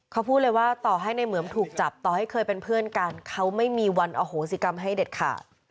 เขาพูดเลยว่าต่อให้ในเหมือมถูกจับต่อให้เคยเป็นเพื่อนกันเขาไม่มีวันอโหสิกรรมให้เด็ดขาด